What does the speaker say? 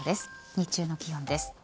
日中の気温です。